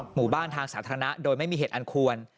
หมู่บ้านทางสาธารณะโดยไม่มีเหตุอันควร